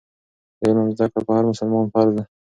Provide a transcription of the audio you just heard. د علم زده کړه په هر مسلمان فرض ده.